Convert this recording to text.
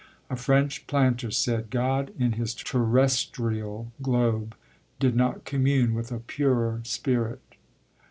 A French planter said, "God in his terrestrial globe did not commune with a purer spirit."